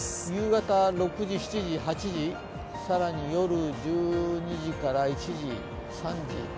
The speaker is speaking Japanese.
夕方６時８時、更に夜１２時から１時、３時。